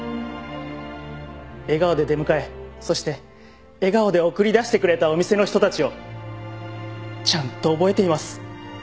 笑顔で出迎えそして笑顔で送り出してくれたお店の人たちをちゃんと覚えています。